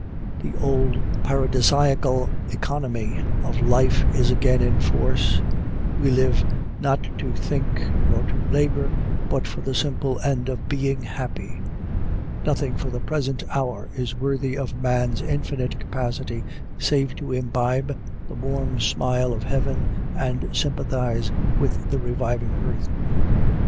The old paradisiacal economy of life is again in force: we live, not to think nor to labor, but for the simple end of being happy; nothing for the present hour is worthy of man's infinite capacity save to imbibe the warm smile of heaven and sympathize with the reviving earth.